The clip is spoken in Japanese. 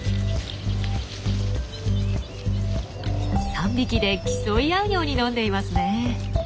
３匹で競い合うように飲んでいますねえ。